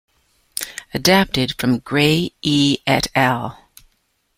"Adapted from Gray E et al.